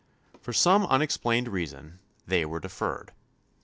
For some unexplained reason, they were deferred.